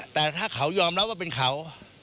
แต่ถ้าเขายอมรับว่าเป็นเขา